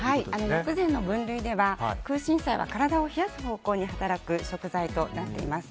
薬膳の分類では、空心菜は体を冷やす方向に働く食材となっています。